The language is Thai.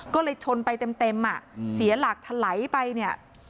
ก็เลยชนไปเต็มเต็มอ่ะอือเสียหลักทะไรไปเนี้ย